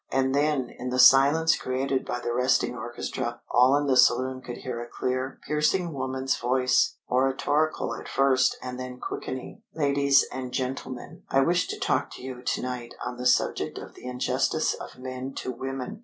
And then, in the silence created by the resting orchestra, all in the saloon could hear a clear, piercing woman's voice, oratorical at first and then quickening: "Ladies and gentlemen: I wish to talk to you to night on the subject of the injustice of men to women."